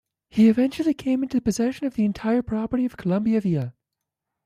He eventually came into possession of the entire property of Columbiaville.